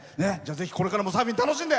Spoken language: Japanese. これからもサーフィン楽しんで。